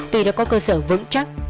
tuy đã có cơ sở vững chắc